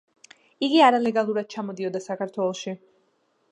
იგი არალეგალურად ჩამოდიოდა საქართველოში.